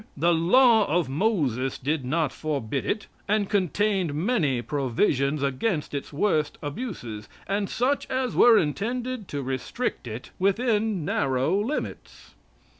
"The law of Moses did not forbid it, but contained many provisions against its worst abuses, and such as were intended to restrict it within narrow limits."